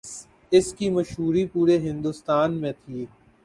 اس کی مشہوری پورے ہندوستان میں تھی۔